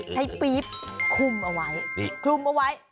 ใช้ปีปขุมเอาไว้